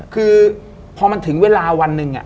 คือพอมันถึงเวลาวันหนึ่ง